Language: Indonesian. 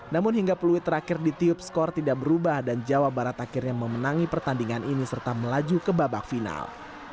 namun hingga peluit terakhir ditiup skor tidak berubah dan jawa barat akhirnya memenangi pertandingan ini serta melaju ke babak final